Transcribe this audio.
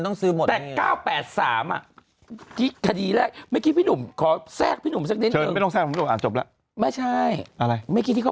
ทำไมมันเยอะอย่างนั้นอ่ะ